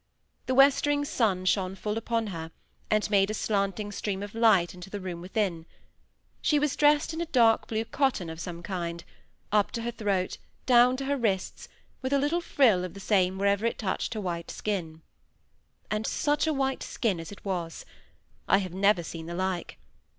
The westering sun shone full upon her, and made a slanting stream of light into the room within. She was dressed in dark blue cotton of some kind; up to her throat, down to her wrists, with a little frill of the same wherever it touched her white skin. And such a white skin as it was! I have never seen the like.